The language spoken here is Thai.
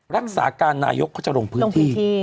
รักษาการนายกเขาจะลงพื้นที่